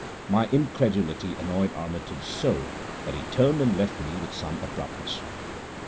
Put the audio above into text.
My incredulity annoyed Armitage so that he turned and left me with some abruptness.